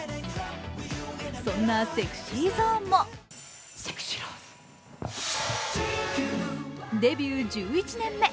そんなＳｅｘｙＺｏｎｅもデビュー１１年目。